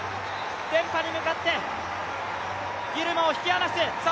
連覇に向かってギルマを引き離す。